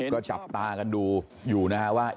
ก็จับตากันดูอยู่นะฮะว่า